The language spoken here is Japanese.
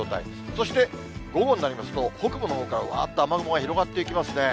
そして午後になりますと、北部のほうからわーっと雨雲が広がっていきますね。